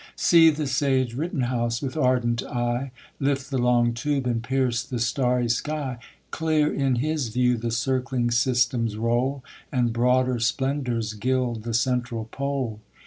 See the sageRittcnhouse, v/ith ardent eye. Lift the long tube, and pierce the starry sky : Clear in his viev/ the circling systems roll, And broader splendours gild the central pole.